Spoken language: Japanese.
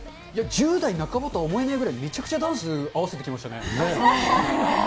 １０代半ばとは思えないぐらい、めちゃくちゃダンス合わせてきましたね。